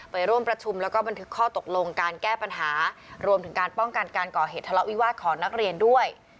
ไปร่วมประชุมแล้วก็บันทึกข้อตกลงการแก้ปัญหารวมถึงการป้องกันการก่อเหตุทะเลาะวิวาสของนักเรียนด้วย